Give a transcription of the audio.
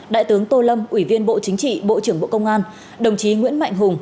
đại tướng tô lâm ủy viên bộ chính trị bộ trưởng bộ công an